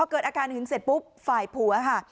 เกิดอาการหึงเสร็จปุ๊บฝ่ายผัวค่ะ